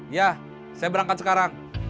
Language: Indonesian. iya saya berangkat sekarang